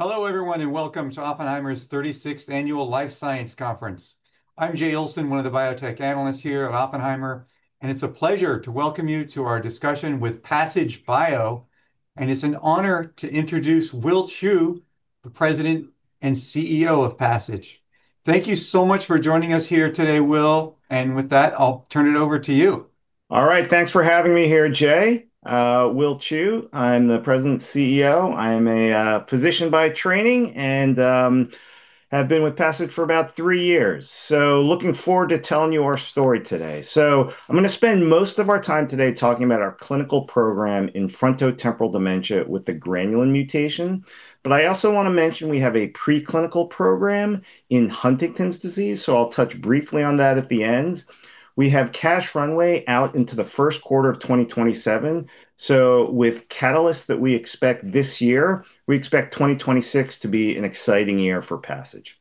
Hello, everyone, and welcome to Oppenheimer's 36th Annual Life Science Conference. I'm Jay Olson, one of the biotech analysts here at Oppenheimer, and it's a pleasure to welcome you to our discussion with Passage Bio, and it's an honor to introduce William Chou, the President and CEO of Passage. Thank you so much for joining us here today, William, and with that, I'll turn it over to you. All right, thanks for having me here, Jay Olson. William Chou, I'm the President and CEO. I am a physician by training and have been with Passage Bio for about 3 years. Looking forward to telling you our story today. I'm going to spend most of our time today talking about our clinical program in frontotemporal dementia with the granulin mutation. I also want to mention we have a preclinical program in Huntington's disease. I'll touch briefly on that at the end. We have cash runway out into the first quarter of 2027. With catalysts that we expect this year, we expect 2026 to be an exciting year for Passage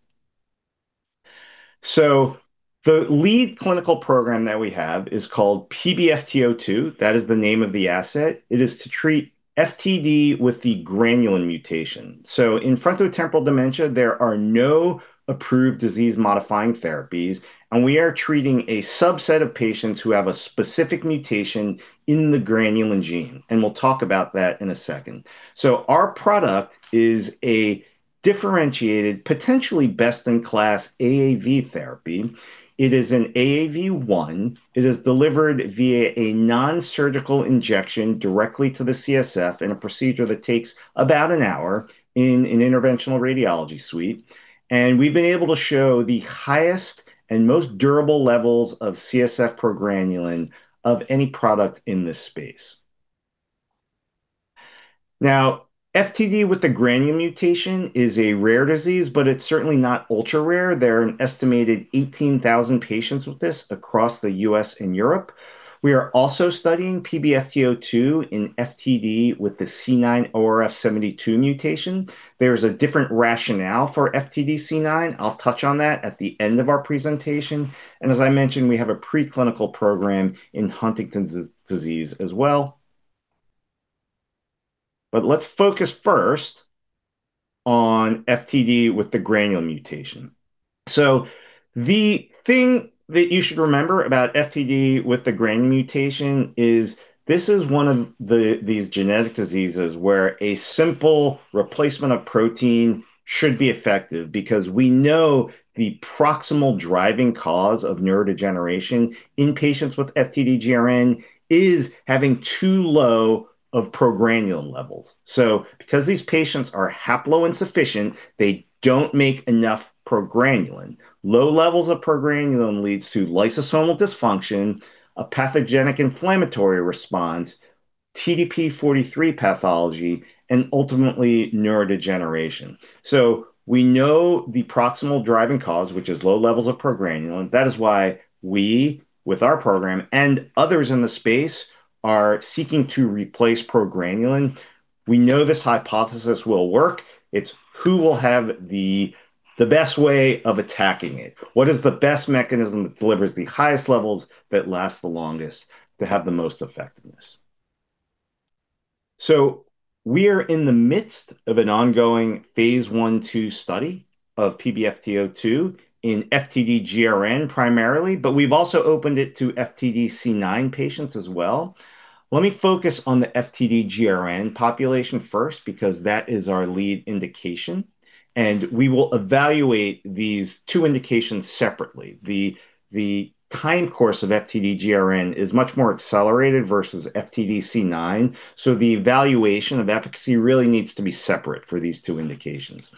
Bio. The lead clinical program that we have is called PBFT02. That is the name of the asset. It is to treat FTD with the granulin mutation. In frontotemporal dementia, there are no approved disease-modifying therapies, and we are treating a subset of patients who have a specific mutation in the granulin gene, and we'll talk about that in a second. Our product is a differentiated, potentially best-in-class AAV therapy. It is an AAV1. It is delivered via a nonsurgical injection directly to the CSF in a procedure that takes about an hour in an interventional radiology suite, and we've been able to show the highest and most durable levels of CSF progranulin of any product in this space. FTD with the granulin mutation is a rare disease, but it's certainly not ultra-rare. There are an estimated 18,000 patients with this across the U.S. and Europe. We are also studying PBFT02 in FTD with the C9orf72 mutation. There's a different rationale for FTD C9. I'll touch on that at the end of our presentation. As I mentioned, we have a preclinical program in Huntington's disease as well. Let's focus first on FTD with the granulin mutation. The thing that you should remember about FTD with the granulin mutation is this is one of these genetic diseases where a simple replacement of protein should be effective, because we know the proximal driving cause of neurodegeneration in patients with FTD-GRN is having too low of progranulin levels. Because these patients are haploinsufficient, they don't make enough progranulin. Low levels of progranulin leads to lysosomal dysfunction, a pathogenic inflammatory response, TDP-43 pathology, and ultimately, neurodegeneration. We know the proximal driving cause, which is low levels of progranulin. That is why we, with our program and others in the space, are seeking to replace progranulin. We know this hypothesis will work. It's who will have the best way of attacking it. What is the best mechanism that delivers the highest levels, that last the longest, to have the most effectiveness? We are in the midst of an ongoing Phase I/II study of PBFT02 in FTD GRN, primarily, but we've also opened it to FTD C9 patients as well. Let me focus on the FTD GRN population first, because that is our lead indication, and we will evaluate these two indications separately. The time course of FTD GRN is much more accelerated versus FTD C9. The evaluation of efficacy really needs to be separate for these two indications.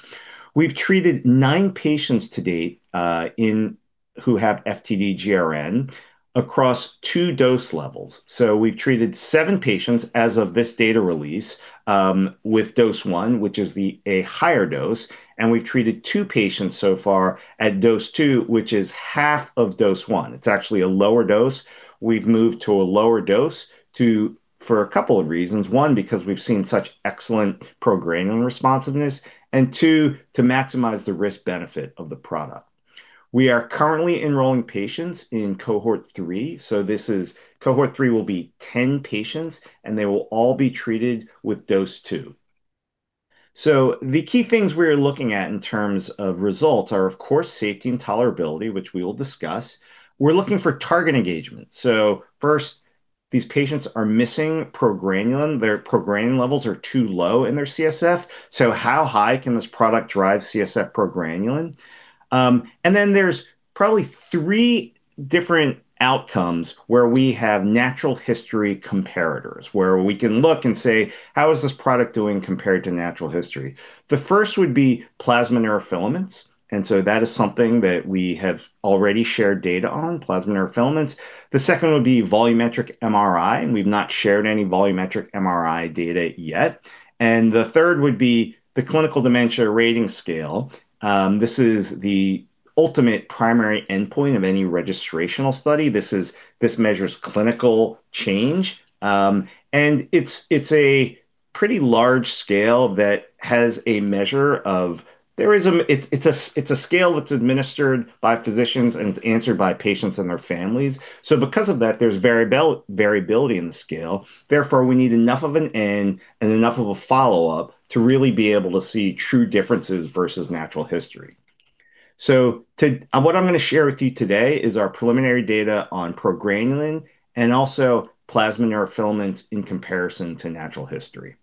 We've treated nine patients to date who have FTD GRN across two dose levels. We've treated 7 patients as of this data release, with Dose 1, which is a higher dose, and we've treated 2 patients so far at Dose 2, which is half of Dose 1. It's actually a lower dose. We've moved to a lower dose for a couple of reasons: 1, because we've seen such excellent progranulin responsiveness, and 2, to maximize the risk-benefit of the product. We are currently enrolling patients in Cohort 3. Cohort 3 will be 10 patients, and they will all be treated with Dose 2. The key things we are looking at in terms of results are, of course, safety and tolerability, which we will discuss. We're looking for target engagement. First, these patients are missing progranulin. Their progranulin levels are too low in their CSF. How high can this product drive CSF progranulin? There's probably 3 different outcomes where we have natural history comparators, where we can look and say: "How is this product doing compared to natural history?" The first would be plasma neurofilaments, that is something that we have already shared data on, plasma neurofilaments. The second would be volumetric MRI, we've not shared any volumetric MRI data yet. The third would be the Clinical Dementia Rating scale. This is the ultimate primary endpoint of any registrational study. This measures clinical change, and it's a pretty large scale that has a measure of... it's a scale that's administered by physicians, and it's answered by patients and their families. Because of that, there's variability in the scale. Therefore, we need enough of an N and enough of a follow-up to really be able to see true differences versus natural history. What I'm going to share with you today is our preliminary data on progranulin and also plasma neurofilaments in comparison to natural history.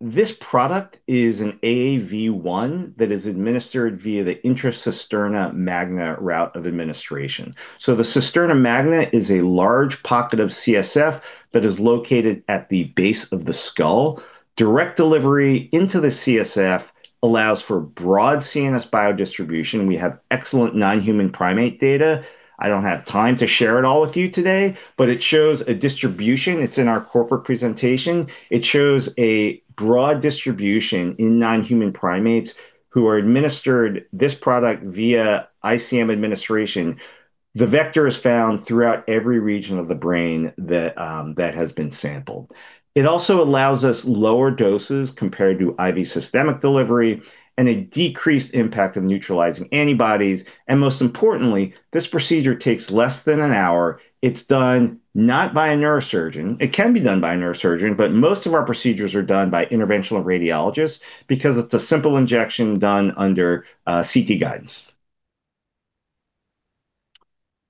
This product is an AAV1 that is administered via the intra-cisterna magna route of administration. The cisterna magna is a large pocket of CSF that is located at the base of the skull. Direct delivery into the CSF allows for broad CNS biodistribution. We have excellent non-human primate data. I don't have time to share it all with you today, but it shows a distribution. It's in our corporate presentation. It shows a broad distribution in non-human primates who are administered this product via ICM administration. The vector is found throughout every region of the brain that has been sampled. It also allows us lower doses compared to IV systemic delivery and a decreased impact of neutralizing antibodies. Most importantly, this procedure takes less than an hour. It's done not by a neurosurgeon. It can be done by a neurosurgeon, but most of our procedures are done by interventional radiologists because it's a simple injection done under CT guidance.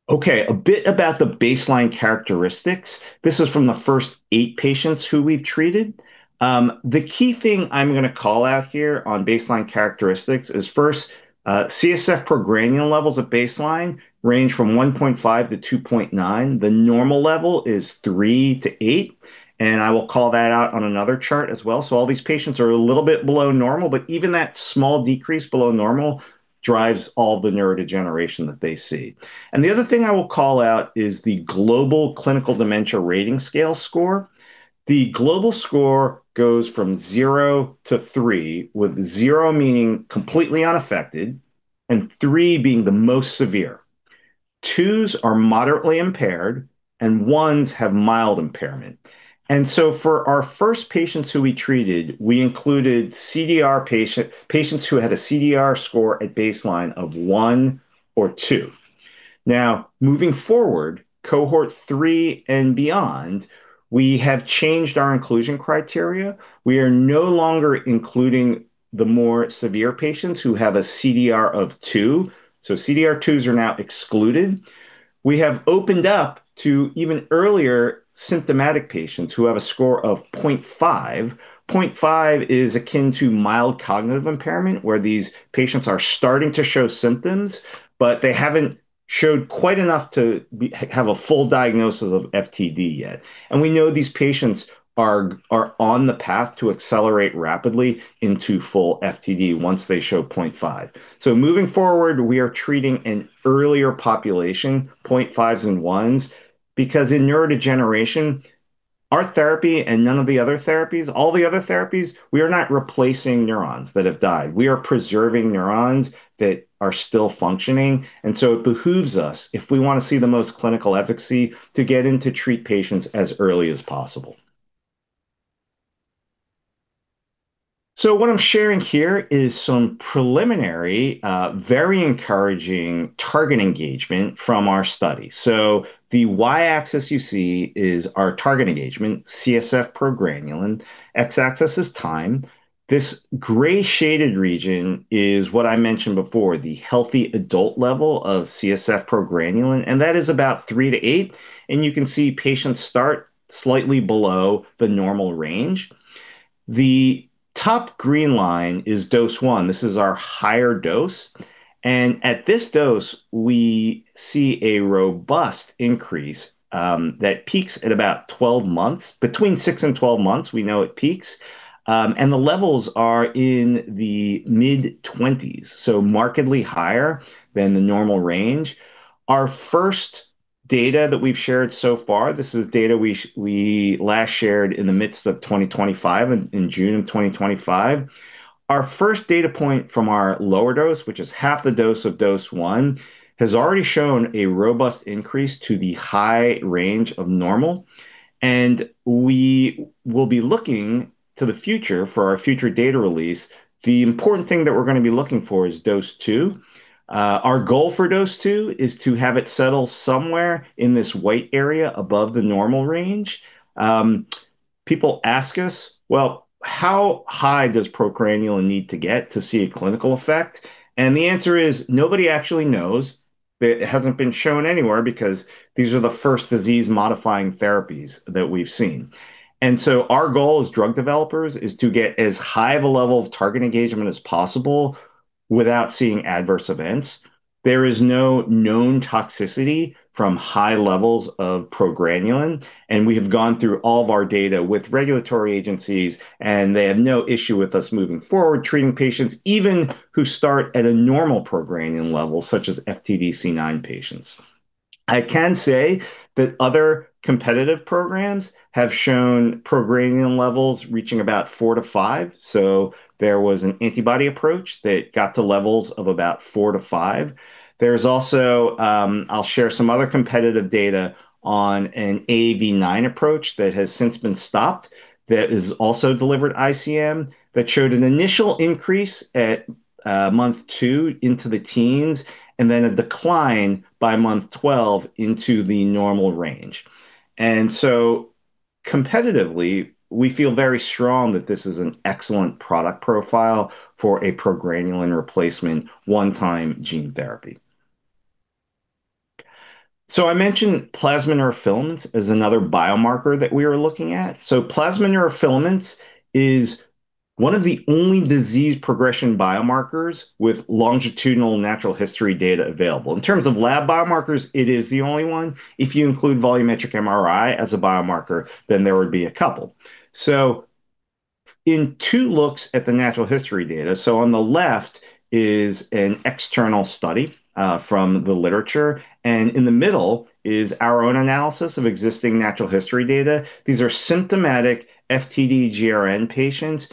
A bit about the baseline characteristics. This is from the first 8 patients who we've treated. The key thing I'm gonna call out here on baseline characteristics is, first, CSF progranulin levels at baseline range from 1.5-2.9. The normal level is 3-8. I will call that out on another chart as well. All these patients are a little bit below normal, but even that small decrease below normal drives all the neurodegeneration that they see. The other thing I will call out is the Global Clinical Dementia Rating scale score. The global score goes from 0 to 3, with 0 meaning completely unaffected and 3 being the most severe. 2s are moderately impaired, and 1s have mild impairment. For our first patients who we treated, we included CDR patients who had a CDR score at baseline of 1 or 2. Moving forward, Cohort 3 and beyond, we have changed our inclusion criteria. We are no longer including the more severe patients who have a CDR of 2, so CDR 2s are now excluded. We have opened up to even earlier symptomatic patients who have a score of 0.5. 0.5 is akin to mild cognitive impairment, where these patients are starting to show symptoms, but they haven't showed quite enough to be, have a full diagnosis of FTD yet. We know these patients are on the path to accelerate rapidly into full FTD once they show 0.5. Moving forward, we are treating an earlier population, 0.5s and 1s, because in neurodegeneration, our therapy and all the other therapies, we are not replacing neurons that have died. We are preserving neurons that are still functioning. It behooves us, if we want to see the most clinical efficacy, to get in to treat patients as early as possible. What I'm sharing here is some preliminary, very encouraging target engagement from our study. The y-axis you see is our target engagement, CSF progranulin. X-axis is time. This gray-shaded region is what I mentioned before, the healthy adult level of CSF progranulin. That is about 3-8, and you can see patients start slightly below the normal range. The top green line is dose 1. This is our higher dose. At this dose, we see a robust increase that peaks at about 12 months. Between 6 and 12 months, we know it peaks, and the levels are in the mid-20s, so markedly higher than the normal range. Our first data that we've shared so far, this is data we last shared in the midst of 2023, in June of 2025. Our first data point from our lower dose, which is half the dose of Dose 1, has already shown a robust increase to the high range of normal. We will be looking to the future for our future data release. The important thing that we're gonna be looking for is Dose 2. Our goal for Dose 2 is to have it settle somewhere in this white area above the normal range. People ask us, "Well, how high does progranulin need to get to see a clinical effect?" The answer is, nobody actually knows. It hasn't been shown anywhere because these are the first disease-modifying therapies that we've seen. Our goal as drug developers is to get as high of a level of target engagement as possible without seeing adverse events. There is no known toxicity from high levels of progranulin, and we have gone through all of our data with regulatory agencies, and they have no issue with us moving forward, treating patients even who start at a normal progranulin level, such as FTD C9 patients. I can say that other competitive programs have shown progranulin levels reaching about 4-5. There was an antibody approach that got to levels of about 4-5. There's also, I'll share some other competitive data on an AAV9 approach that has since been stopped, that has also delivered ICM, that showed an initial increase at month 2 into the teens, and then a decline by month 12 into the normal range. Competitively, we feel very strong that this is an excellent product profile for a progranulin replacement one-time gene therapy. I mentioned plasma neurofilaments as another biomarker that we are looking at. Plasma neurofilaments is one of the only disease progression biomarkers with longitudinal natural history data available. In terms of lab biomarkers, it is the only one. If you include volumetric MRI as a biomarker, there would be a couple. In two looks at the natural history data, on the left is an external study from the literature, and in the middle is our own analysis of existing natural history data. These are symptomatic FTD-GRN patients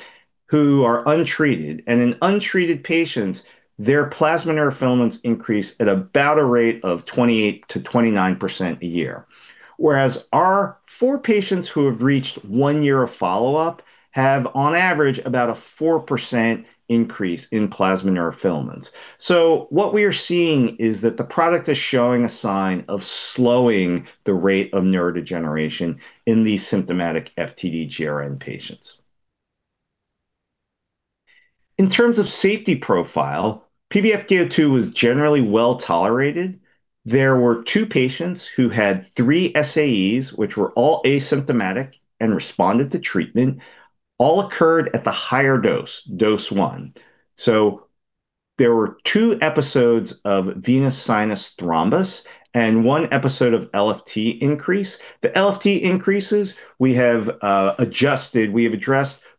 who are untreated. In untreated patients, their plasma neurofilaments increase at about a rate of 28%-29% a year. Whereas our four patients who have reached one year of follow-up have, on average, about a 4% increase in plasma neurofilaments. What we are seeing is that the product is showing a sign of slowing the rate of neurodegeneration in these symptomatic FTD-GRN patients. In terms of safety profile, PBFT02 was generally well-tolerated. There were 2 patients who had 3 SAEs, which were all asymptomatic and responded to treatment, all occurred at the higher dose 1. There were 2 episodes of venous sinus thrombus and 1 episode of LFT increase. The LFT increases, we have addressed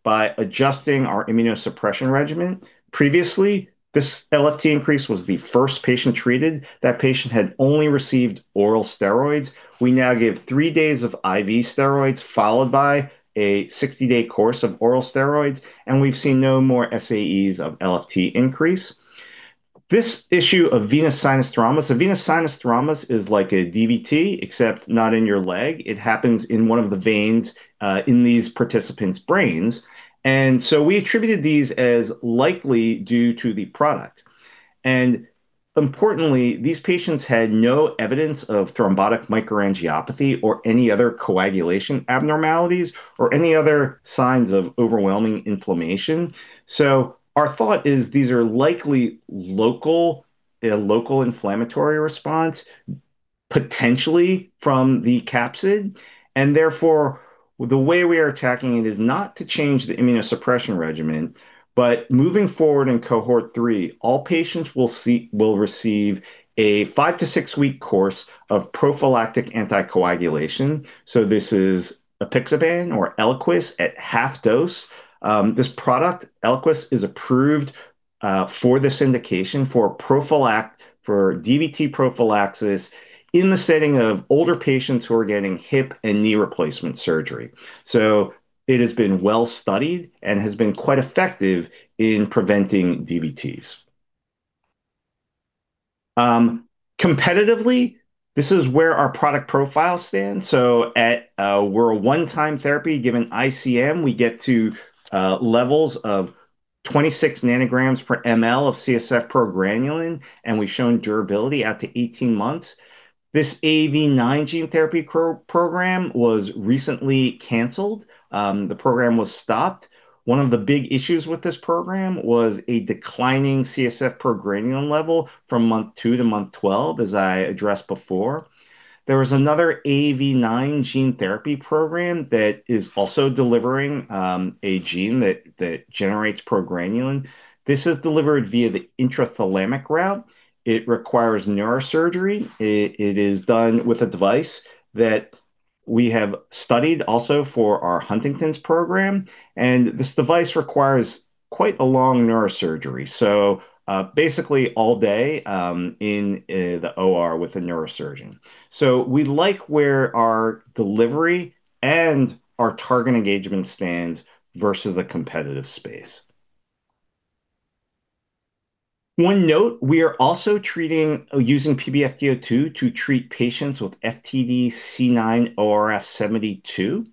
by adjusting our immunosuppression regimen. Previously, this LFT increase was the first patient treated. That patient had only received oral steroids. We now give 3 days of IV steroids, followed by a 60-day course of oral steroids, and we've seen no more SAEs of LFT increase. This issue of venous sinus thrombus, a venous sinus thrombus is like a DVT, except not in your leg. It happens in one of the veins in these participants' brains. We attributed these as likely due to the product. Importantly, these patients had no evidence of thrombotic microangiopathy, or any other coagulation abnormalities, or any other signs of overwhelming inflammation. Our thought is these are likely local, a local inflammatory response, potentially from the capsid. The way we are attacking it is not to change the immunosuppression regimen. Moving forward in Cohort Three, all patients will receive a 5-to-6-week course of prophylactic anticoagulation. This is apixaban or Eliquis at half dose. This product, Eliquis, is approved for this indication, for DVT prophylaxis in the setting of older patients who are getting hip and knee replacement surgery. It has been well studied and has been quite effective in preventing DVTs. Competitively, this is where our product profile stands. At, we're a 1-time therapy. Given ICM, we get to levels of 26 nanograms per ml of CSF progranulin, and we've shown durability out to 18 months. This AAV9 gene therapy program was recently canceled. The program was stopped. One of the big issues with this program was a declining CSF progranulin level from month 2 to month 12, as I addressed before. There was another AAV9 gene therapy program that is also delivering a gene that generates progranulin. This is delivered via the intrathalamic route. It requires neurosurgery. It is done with a device that we have studied also for our Huntington's program, and this device requires quite a long neurosurgery, basically all day in the OR with a neurosurgeon. We like where our delivery and our target engagement stands versus the competitive space. One note: we are also treating or using PBFT02 to treat patients with FTD-C9orf72,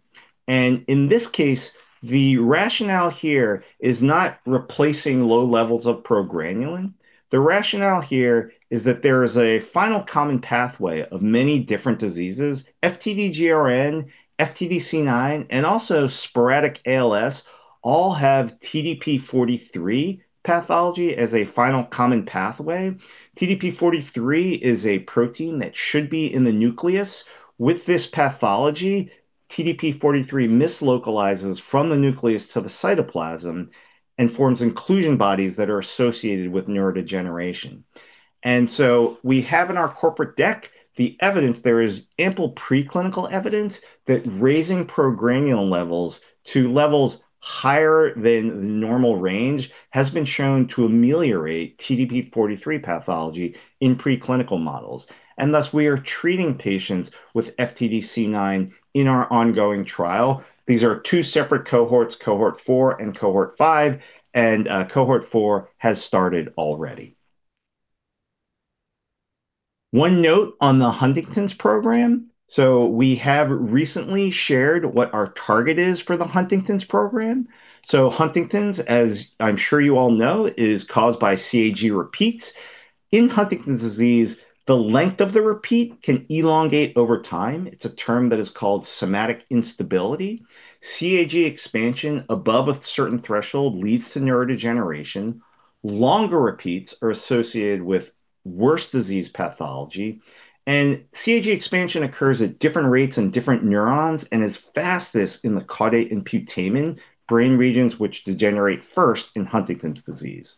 in this case, the rationale here is not replacing low levels of progranulin. The rationale here is that there is a final common pathway of many different diseases. FTD-GRN, FTD C9, also sporadic ALS all have TDP-43 pathology as a final common pathway. TDP-43 is a protein that should be in the nucleus. With this pathology, TDP-43 mislocalizes from the nucleus to the cytoplasm and forms inclusion bodies that are associated with neurodegeneration. We have in our corporate deck the evidence. There is ample preclinical evidence that raising progranulin levels to levels higher than the normal range has been shown to ameliorate TDP-43 pathology in preclinical models. Thus, we are treating patients with FTD-C9 in our ongoing trial. These are two separate cohorts, Cohort Four and Cohort Five, and Cohort Four has started already. One note on the Huntington's program. We have recently shared what our target is for the Huntington's program. Huntington's, as I'm sure you all know, is caused by CAG repeats. In Huntington's disease, the length of the repeat can elongate over time. It's a term that is called somatic instability. CAG expansion above a certain threshold leads to neurodegeneration. Longer repeats are associated with worse disease pathology. CAG expansion occurs at different rates in different neurons and is fastest in the caudate and putamen brain regions, which degenerate first in Huntington's disease.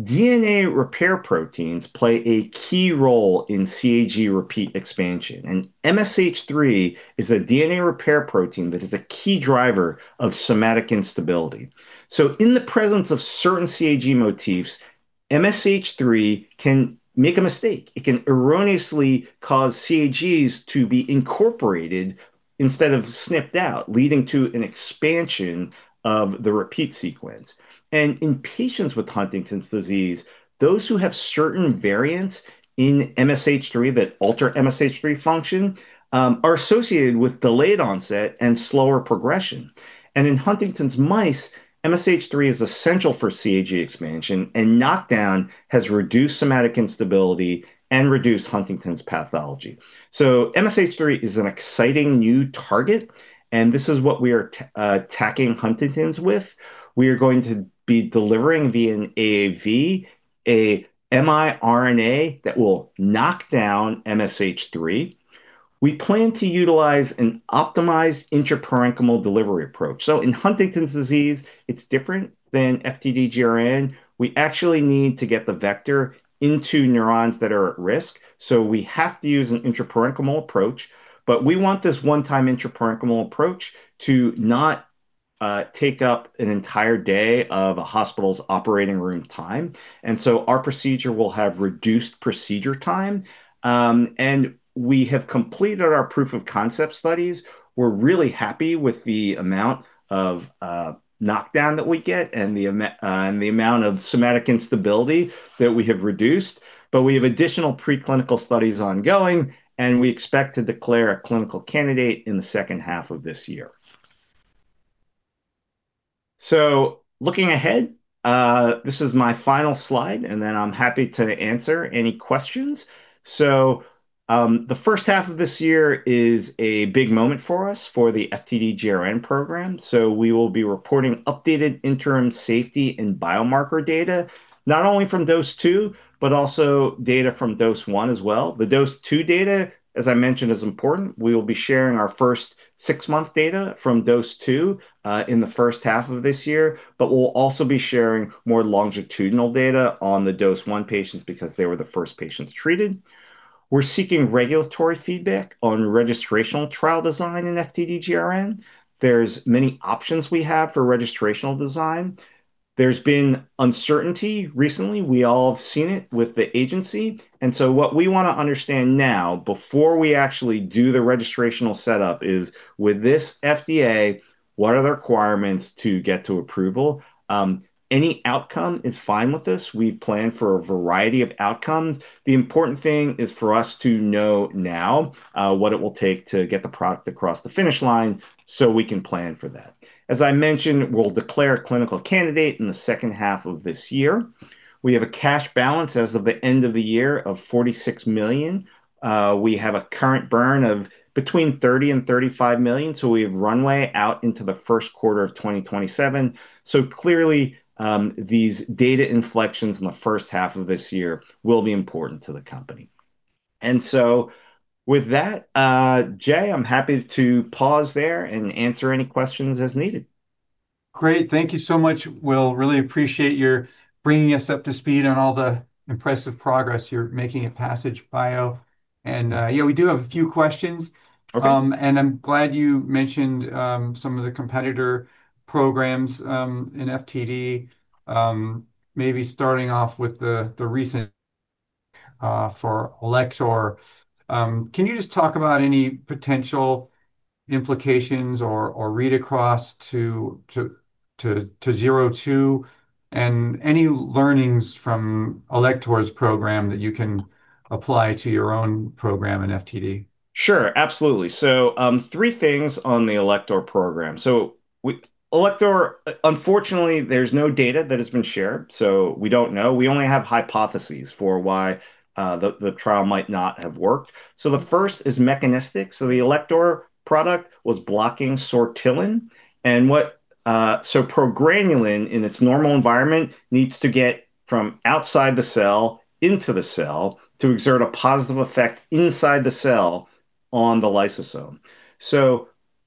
DNA repair proteins play a key role in CAG repeat expansion, and MSH3 is a DNA repair protein that is a key driver of somatic instability. In the presence of certain CAG motifs, MSH3 can make a mistake. It can erroneously cause CAGs to be incorporated instead of snipped out, leading to an expansion of the repeat sequence. In patients with Huntington's disease, those who have certain variants in MSH3 that alter MSH3 function are associated with delayed onset and slower progression. In Huntington's mice, MSH3 is essential for CAG expansion, and knockdown has reduced somatic instability and reduced Huntington's pathology. MSH3 is an exciting new target, and this is what we are attacking Huntington's with. We are going to be delivering via an AAV, a miRNA that will knock down MSH3. We plan to utilize an optimized intraparenchymal delivery approach. In Huntington's disease, it's different than FTD-GRN. We actually need to get the vector into neurons that are at risk, so we have to use an intraparenchymal approach. We want this one-time intraparenchymal approach to not take up an entire day of a hospital's operating room time. Our procedure will have reduced procedure time. We have completed our proof-of-concept studies. We're really happy with the amount of knockdown that we get and the amount of somatic instability that we have reduced, but we have additional preclinical studies ongoing, and we expect to declare a clinical candidate in the second half of this year. Looking ahead, this is my final slide, and then I'm happy to answer any questions. The first half of this year is a big moment for us, for the FTD-GRN program. We will be reporting updated interim safety and biomarker data, not only from Dose 2, but also data from Dose 1 as well. The Dose 2 data, as I mentioned, is important. We will be sharing our 1st 6-month data from Dose 2 in the 1st half of this year, but we'll also be sharing more longitudinal data on the Dose 1 patients because they were the 1st patients treated. We're seeking regulatory feedback on registrational trial design in FTD-GRN. There's many options we have for registrational design. There's been uncertainty recently. We all have seen it with the agency, what we want to understand now, before we actually do the registrational setup, is with this FDA, what are the requirements to get to approval? Any outcome is fine with us. We plan for a variety of outcomes. The important thing is for us to know now what it will take to get the product across the finish line, so we can plan for that. As I mentioned, we'll declare a clinical candidate in the second half of this year. We have a cash balance as of the end of the year of $46 million. We have a current burn of between $30 million-$35 million, so we have runway out into the first quarter of 2027. Clearly, these data inflections in the first half of this year will be important to the company. With that, Jay Olson, I'm happy to pause there and answer any questions as needed. Great. Thank you so much, Will. Really appreciate your bringing us up to speed on all the impressive progress you're making at Passage Bio. Yeah, we do have a few questions. Okay. I'm glad you mentioned some of the competitor programmes in FTD. Maybe starting off with the recent for Alector. Can you just talk about any potential implications or read across to PBFT02, and any learnings from Alector's programme that you can apply to your own programme in FTD? Absolutely. Three things on the Alector program. With Alector, unfortunately, there's no data that has been shared, so we don't know. We only have hypotheses for why the trial might not have worked. The first is mechanistic. The Alector product was blocking sortilin. Progranulin, in its normal environment, needs to get from outside the cell into the cell to exert a positive effect inside the cell on the lysosome.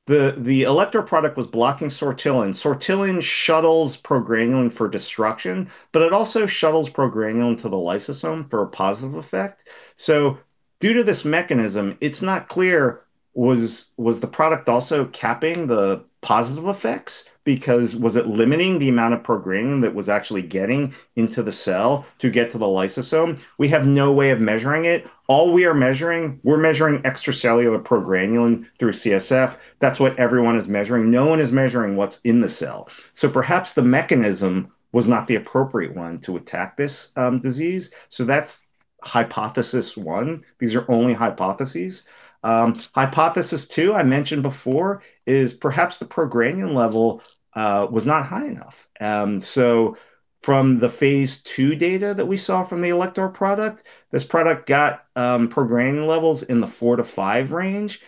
The Alector product was blocking sortilin. Sortillin shuttles progranulin for destruction, but it also shuttles progranulin to the lysosome for a positive effect. Due to this mechanism, it's not clear, was the product also capping the positive effects? Was it limiting the amount of progranulin that was actually getting into the cell to get to the lysosome? We have no way of measuring it. All we are measuring, we're measuring extracellular progranulin through CSF. That's what everyone is measuring. No one is measuring what's in the cell. Perhaps the mechanism was not the appropriate one to attack this disease. Hypothesis one. These are only hypotheses. Hypothesis two, I mentioned before, is perhaps the progranulin level was not high enough. From the phase 2 data that we saw from the Alector product, this product got progranulin levels in the 4 to 5 range,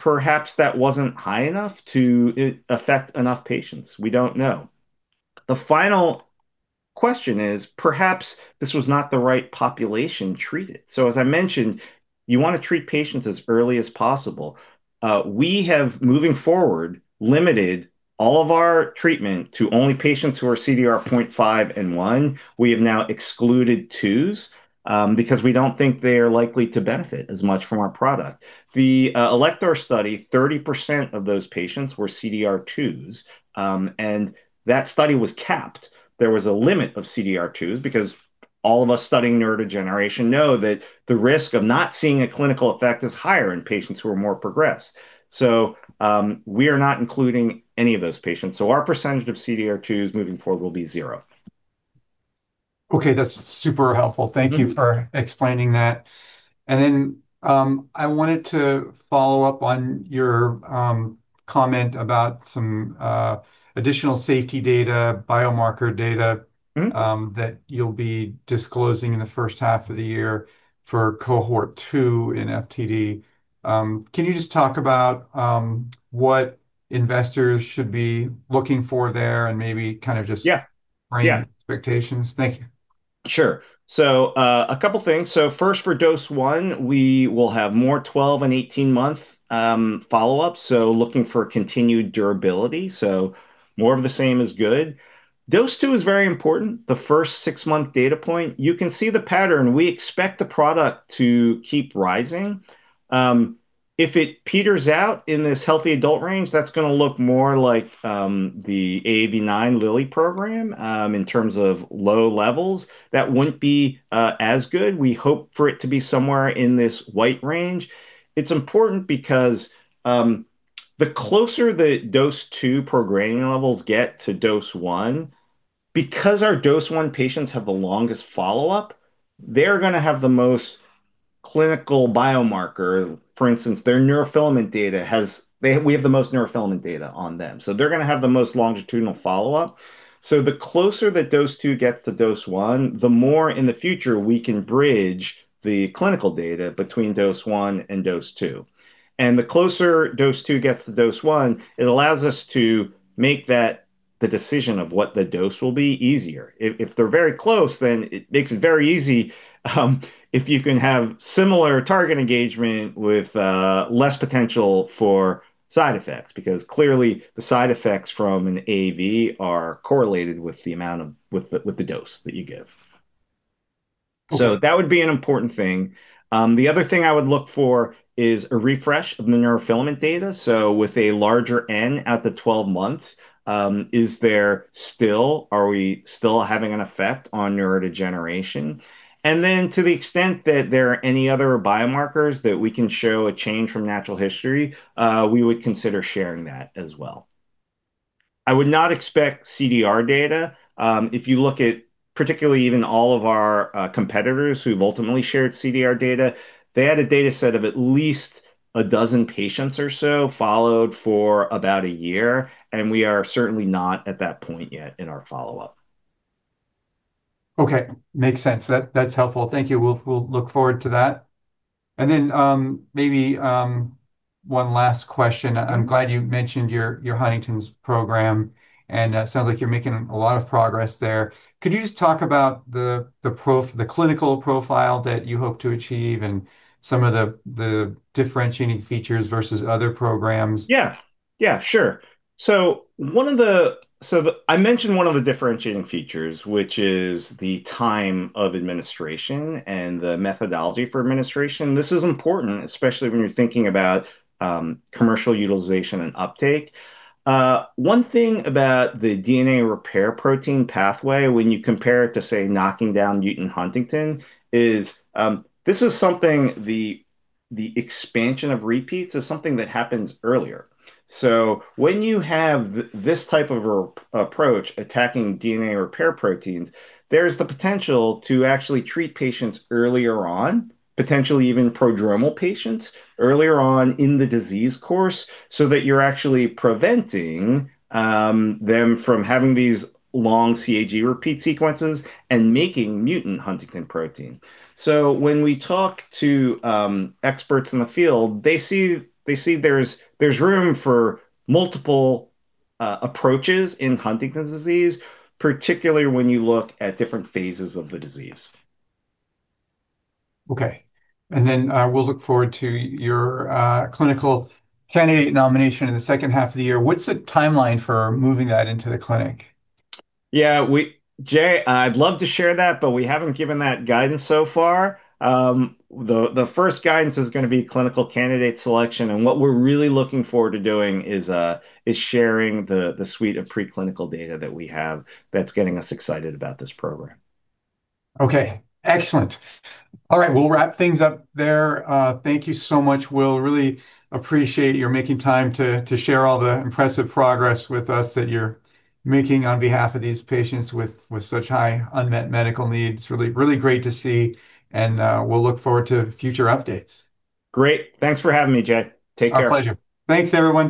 perhaps that wasn't high enough to affect enough patients. We don't know. The final question is, perhaps this was not the right population treated. As I mentioned, you wanna treat patients as early as possible. We have, moving forward, limited all of our treatment to only patients who are CDR 0.5 and 1. We have now excluded twos because we don't think they are likely to benefit as much from our product. The Alector study, 30% of those patients were CDR twos. That study was capped. There was a limit of CDR twos because all of us studying neurodegeneration know that the risk of not seeing a clinical effect is higher in patients who are more progressed. We are not including any of those patients, so our percentage of CDR twos moving forward will be 0. Okay, that's super helpful. Mm-hmm. Thank you for explaining that. I wanted to follow up on your comment about some additional safety data, biomarker data-. Mm... that you'll be disclosing in the first half of the year for Cohort 2 in FTD. Can you just talk about what investors should be looking for there, and maybe kind of... Yeah, yeah.... frame expectations? Thank you. Sure. A couple things. First for dose one, we will have more 12 and 18-month follow-ups, so looking for continued durability, so more of the same is good. Dose two is very important. The first six-month data point, you can see the pattern. We expect the product to keep rising. If it peters out in this healthy adult range, that's gonna look more like the AAV9 Lilly program in terms of low levels. That wouldn't be as good. We hope for it to be somewhere in this white range. It's important because the closer the dose two progranulin levels get to dose one, because our dose one patients have the longest follow-up, they're gonna have the most clinical biomarker. For instance, their neurofilament data has... We have the most neurofilament data on them, they're gonna have the most longitudinal follow-up. The closer that dose two gets to dose one, the more in the future we can bridge the clinical data between dose one and dose two. The closer dose two gets to dose one, it allows us to make the decision of what the dose will be easier. If they're very close, then it makes it very easy, if you can have similar target engagement with less potential for side effects, because clearly the side effects from an AAV are correlated with the dose that you give. Okay. That would be an important thing. The other thing I would look for is a refresh of the neurofilament data. With a larger N at the 12 months, are we still having an effect on neurodegeneration? To the extent that there are any other biomarkers that we can show a change from natural history, we would consider sharing that as well. I would not expect CDR data. If you look at particularly even all of our competitors who've ultimately shared CDR data, they had a data set of at least 12 patients or so, followed for about 1 year, and we are certainly not at that point yet in our follow-up. Okay. Makes sense. That's helpful. Thank you, Will. We'll look forward to that. Then, maybe, one last question. Mm-hmm. I'm glad you mentioned your Huntington's program, and sounds like you're making a lot of progress there. Could you just talk about the clinical profile that you hope to achieve and some of the differentiating features versus other programs? Yeah. Yeah, sure. I mentioned one of the differentiating features, which is the time of administration and the methodology for administration. This is important, especially when you're thinking about commercial utilization and uptake. One thing about the DNA repair protein pathway, when you compare it to, say, knocking down mutant huntingtin, is, this is something the expansion of repeats is something that happens earlier. When you have this type of approach, attacking DNA repair proteins, there's the potential to actually treat patients earlier on, potentially even prodromal patients, earlier on in the disease course, so that you're actually preventing them from having these long CAG repeat sequences and making mutant huntingtin protein. When we talk to experts in the field, they see there's room for multiple approaches in Huntington's disease, particularly when you look at different phases of the disease. Okay, we'll look forward to your clinical candidate nomination in the second half of the year. What's the timeline for moving that into the clinic? Yeah, Jay, I'd love to share that, but we haven't given that guidance so far. The first guidance is gonna be clinical candidate selection, and what we're really looking forward to doing is sharing the suite of preclinical data that we have that's getting us excited about this program. Okay, excellent. All right, we'll wrap things up there. Thank you so much, Will. Really appreciate your making time to share all the impressive progress with us that you're making on behalf of these patients with such high unmet medical needs. Really, really great to see, and we'll look forward to future updates. Great. Thanks for having me, Jay. Take care. Our pleasure. Thanks, everyone.